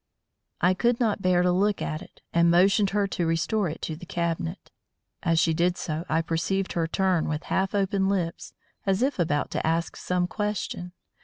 I could not bear to look at it, and motioned her to restore it to the cabinet. As she did so, I perceived her turn with half open lips, as if about to ask some question.